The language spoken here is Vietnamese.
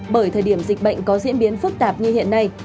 bởi thời điểm dịch bệnh có diễn biến phức tạp như hiện nay